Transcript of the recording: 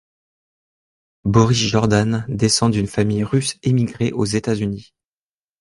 Boris Jordan descend d'une famille russe émigrée aux États-Unis.